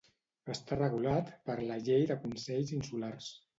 Està regulat per la Llei de Consells Insulars.